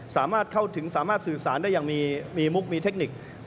สามารถเข้าถึงสามารถสื่อสารได้อย่างมีมุกมีเทคนิค